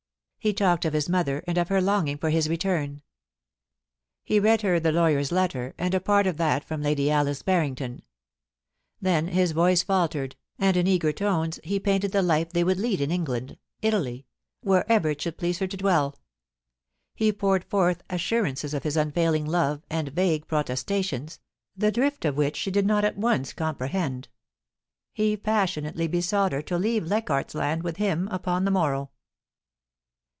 He talked of his mother and of her longing for his return ; he read her the lawyer's letter, and a part of that from Lady Alice Barringtoa Then his voice faltered, and in eager tones he painted the life they would lead in England, Italy 3SO POLICY AND PASSION. —wherever it should please her to dwell He poured forth assurances of his unfailing love, and vague protestations, the drift of which she did not at once comprehend. •.. He passionately besought her to leave Leichardf s Land with him upon the morrow.